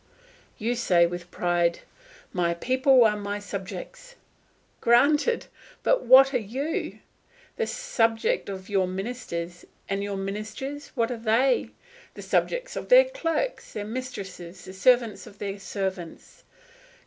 You say with pride, "My people are my subjects." Granted, but what are you? The subject of your ministers. And your ministers, what are they? The subjects of their clerks, their mistresses, the servants of their servants.